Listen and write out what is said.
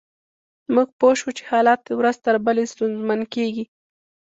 موږ پوه شوو چې حالات ورځ تر بلې ستونزمن کیږي